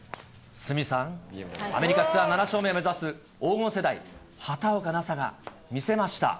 鷲見さん、アメリカツアー７勝目を目指す黄金世代、畑岡奈紗が見せました。